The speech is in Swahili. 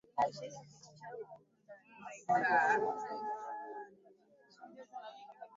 Wanachama wengine hawakuonyesha utashi wa kuwa wenyeji wa Jumuiya.